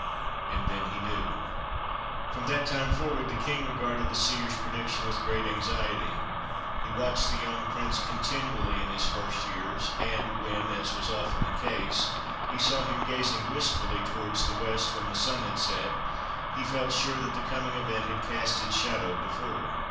And then he knew. From that time forward, the King regarded the seer's prediction with great anxiety. He watched the young Prince continually in his first years, and, when, as was often the case, he saw him gazing wistfully towards the west when the sun had set, he felt sure that the coming event had cast its shadow before.